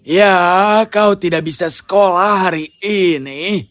ya kau tidak bisa sekolah hari ini